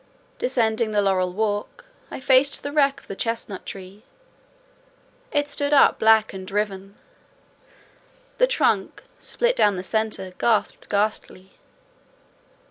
Descending the laurel walk, I faced the wreck of the chestnut tree; it stood up black and riven: the trunk, split down the centre, gasped ghastly.